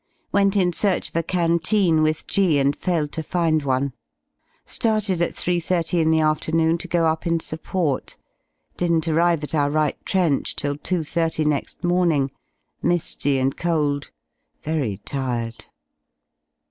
Went in search of a canteen with G , and failed to find one. Started at 3.30 in the afternoon to go up in support. Didn't arrive at our right trench till 2.30 next morning*, mi^y and cold; very tired.